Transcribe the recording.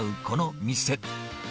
この店。